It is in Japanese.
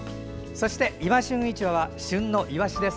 そして「いま旬市場」は旬のイワシです。